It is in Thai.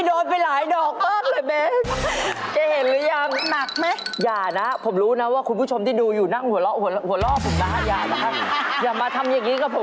ต้องได้หมาหรือต้องได้